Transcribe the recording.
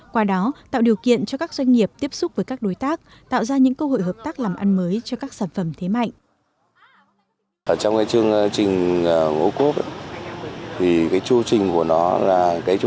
qua đó tạo điều kiện cho các doanh nghiệp tiếp xúc với các đối tác tạo ra những cơ hội hợp tác làm ăn mới cho các sản phẩm thế mạnh